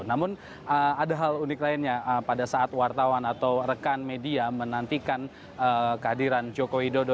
namun ada hal unik lainnya pada saat wartawan atau rekan media menantikan kehadiran joko widodo